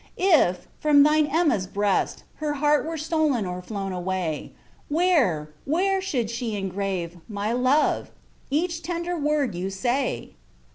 If, from thine Emma's breast, her heart Were stolen or flown away; Where! where! should she engrave, my Love! Each tender word you say?